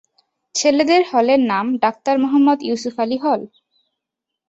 ছেলেদের হলের নাম ডাক্তার মোহাম্মদ ইউসুফ আলী হল।